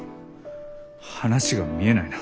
話が見えないな。